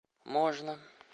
можно